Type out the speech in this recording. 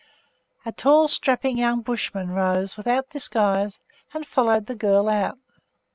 A tall, strapping young Bushman rose, without disguise, and followed the girl out.